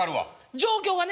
状況がね